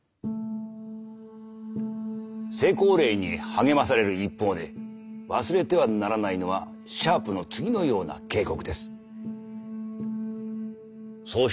成功例に励まされる一方で忘れてはならないのはシャープの次のような警告です。